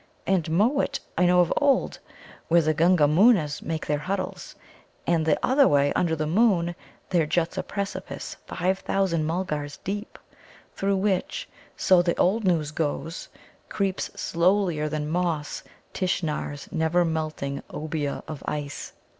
And Mōōt I know of old: there the Gunga moonas make their huddles. And the other way, under the moon, there juts a precipice five thousand Mulgars deep, through which, so the old news goes, creeps slowlier than moss Tishnar's never melting Obea of ice.